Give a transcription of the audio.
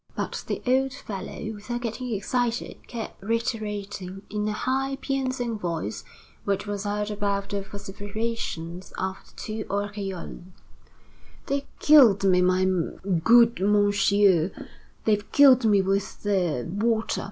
But the old fellow, without getting excited, kept reiterating in a high, piercing voice which was heard above the vociferations of the two Oriols: "They've killed me, my good monchieus, they've killed me with their water.